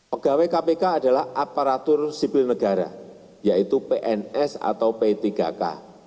pegawai kpk adalah aparatur sipil negara yaitu pns atau p tiga k